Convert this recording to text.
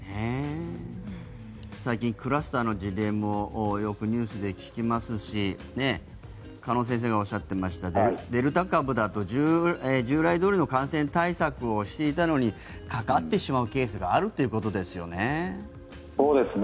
最近、クラスターの事例もよくニュースで聞きますし鹿野先生がおっしゃってましたデルタ株だと従来どおりの感染対策をしていたのにかかってしまうケースがあるということですよね。